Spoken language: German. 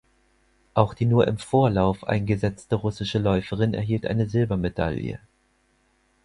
Auch die nur im Vorlauf eingesetzte russische Läuferin erhielt eine Silbermedaille.